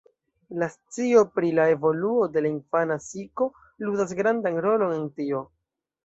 La scio pri la evoluo de la infana psiko ludas grandan rolon en tio.